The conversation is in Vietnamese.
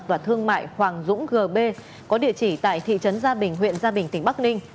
và thương mại hoàng dũng gb có địa chỉ tại thị trấn gia bình huyện gia bình tỉnh bắc ninh